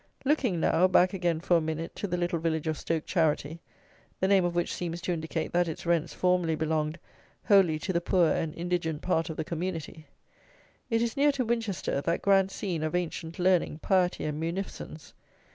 Looking, now, back again for a minute to the little village of Stoke Charity, the name of which seems to indicate that its rents formerly belonged wholly to the poor and indigent part of the community: it is near to Winchester, that grand scene of ancient learning, piety, and munificence.